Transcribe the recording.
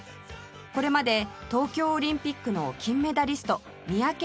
これまで東京オリンピックの金メダリスト三宅義信さん